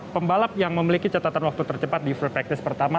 pembalap yang memiliki catatan waktu tercepat di free practice pertama